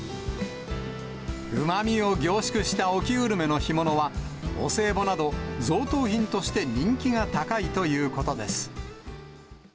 うまみを凝縮した沖ウルメの干物は、お歳暮など贈答品として人気が高いということです。